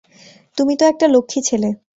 তুমি তো একটা লক্ষ্মী ছেলে।